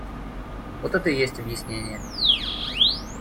Вот это и есть объяснение.